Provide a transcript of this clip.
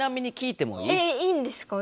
いいんですか？